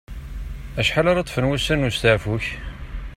Acḥal ara ṭṭfen wussan n usteɛfu-k?